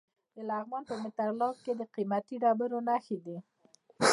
د لغمان په مهترلام کې د قیمتي ډبرو نښې دي.